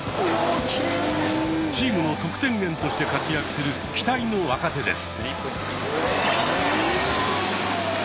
チームの得点源として活躍する期待の若手です。